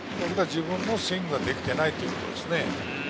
自分のスイングができていないということです。